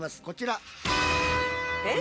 こちら。